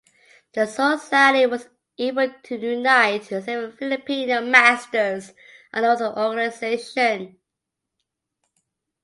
The society was able to unite several Filipino masters under one organization.